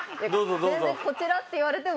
全然「こちら」って言われても。